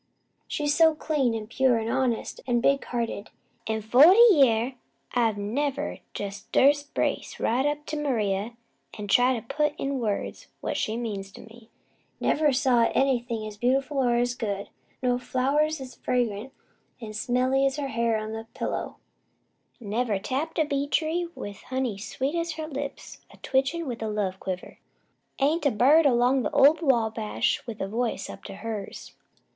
She's so clean, an' pure, an' honest, an' big hearted! In forty year I've never jest durst brace right up to Maria an' try to put in words what she means to me. Never saw nothin' else as beautiful, or as good. No flower's as fragrant an' smelly as her hair on her pillow. Never tapped a bee tree with honey sweet as her lips a twitchin' with a love quiver. Ain't a bird 'long the ol' Wabash with a voice up to hers.